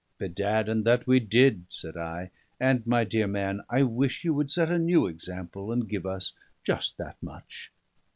"Bedad, and that we did," said I. "And, my dear man, I wish you would set a new example and give us just that much."